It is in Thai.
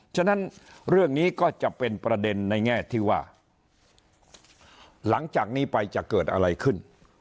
ฉะนั้นเรื่องนี้ก็จะเป็นประเด็นในแง่ที่ว่าหลังจากนี้ไปจะเกิดอะไรขึ้น